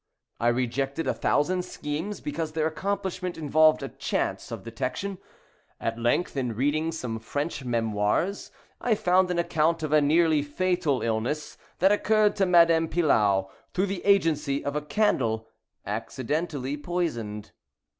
I rejected a thousand schemes, because their accomplishment involved a chance of detection. At length, in reading some French memoirs, I found an account of a nearly fatal illness that occurred to Madame Pilau, through the agency of a candle accidentally poisoned.